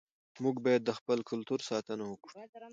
موږ باید د خپل کلتور ساتنه وکړو.